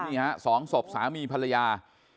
นี่ฮะสองศพสามีภรรยา